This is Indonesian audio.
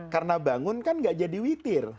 karena bangun kan gak jadi witir